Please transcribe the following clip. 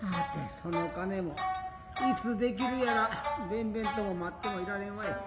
その金もいつ出来るやらべんべんとも待っても居られんわい。